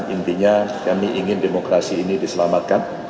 intinya kami ingin demokrasi ini diselamatkan